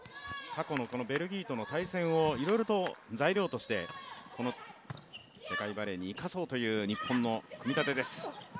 過去のベルギーとの対戦をいろいろと材料にして世界バレーに生かそうという、日本の組み立てです。